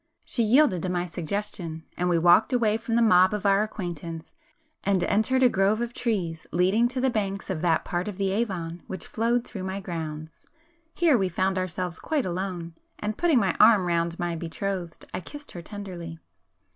She yielded to my suggestion, and we walked away from the mob of our acquaintance, [p 269] and entered a grove of trees leading to the banks of that part of the Avon which flowed through my grounds. Here we found ourselves quite alone, and putting my arm round my betrothed, I kissed her tenderly.